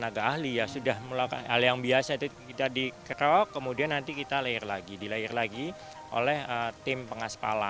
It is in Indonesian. anak anak ahli ya sudah melakukan hal yang biasa itu kita dikerok kemudian nanti kita dilair lagi oleh tim pengaspalan